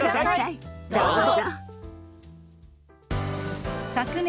どうぞ！